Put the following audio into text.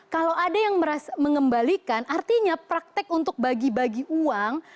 kalau ada yang mengembalikan artinya praktek untuk bagi bagi uang